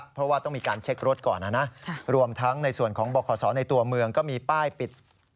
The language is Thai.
เพราะว่าต้องมีการเช็ครถก่อนนะรวมทั้งในส่วนของบขศในตัวเมืองก็มีป้ายปิด